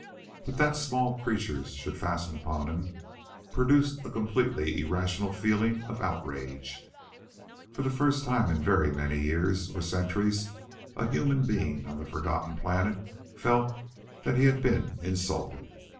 But that small creatures should fasten upon him produced a completely irrational feeling of outrage. For the first time in very many years or centuries a human being upon the forgotten planet felt that he had been insulted.